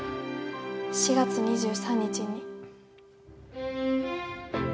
４月２３日に。